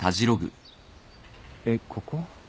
えっここ？